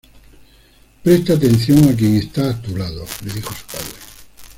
Presta atención a quien está a tu lado"", le dijo su padre.